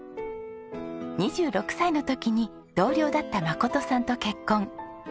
２６歳の時に同僚だった眞さんと結婚。